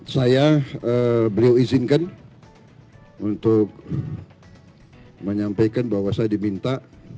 saya beliau izinkan untuk menyampaikan bahwa saya diminta